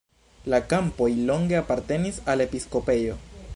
La kampoj longe apartenis al episkopejo.